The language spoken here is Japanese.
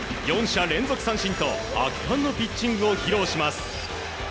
４者連続三振と圧巻のピッチングを披露します。